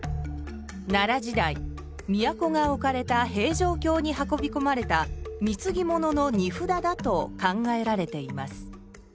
奈良時代都が置かれた平城京に運びこまれたみつぎ物の荷札だと考えられています。